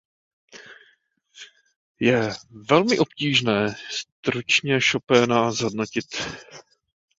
Je velmi obtížné stručně Chopina zhodnotit.